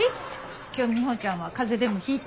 今日ミホちゃんは風邪でもひいた？